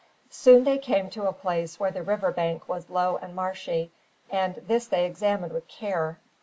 Soon they came to a place where the river bank was low and marshy, and this they examined with care.